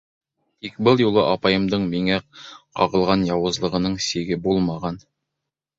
Тик был юлы апайымдың миңә ҡағылған яуызлығының сиге булмаған.